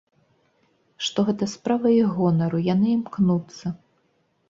Што гэта справа іх гонару, яны імкнуцца!